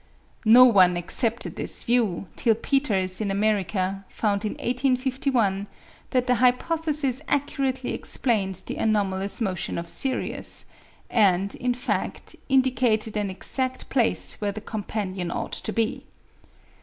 No one accepted this view, till Peters, in America, found in 1851 that the hypothesis accurately explained the anomalous motion of Sirius, and, in fact, indicated an exact place where the companion ought to be.